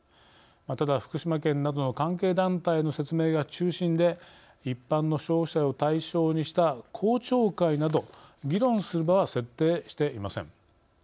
ただ、福島県などの関係団体への説明が中心で一般の消費者を対象にした公聴会など議論する場は設定していません。